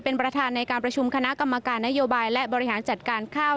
เป็นประธานในการประชุมคณะกรรมการนโยบายและบริหารจัดการข้าว